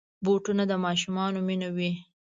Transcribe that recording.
بوټونه د ماشومانو مینه وي.